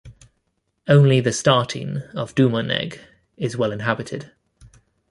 Only the starting of Dumalneg is well inhabited.